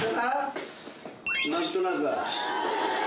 何となく。